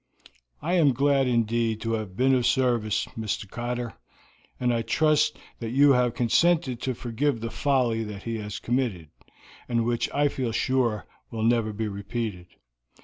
"I am glad indeed to have been of service, Mr. Cotter, and I trust that you have consented to forgive the folly that he has committed, and which I feel sure will never be repeated."